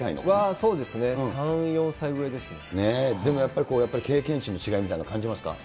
そうですね、３、４歳上ですでもやっぱり、経験値の違いみたいなのは感じますか？